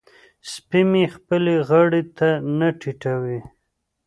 سپی مې خپلې غاړې ته ټيټوي.